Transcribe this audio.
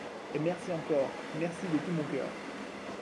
Et merci encore, merci de tout mon coeur.